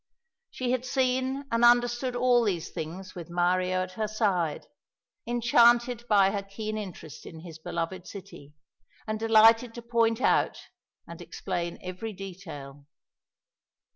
She had seen and understood all these things with Mario at her side, enchanted by her keen interest in his beloved city, and delighted to point out and explain every detail.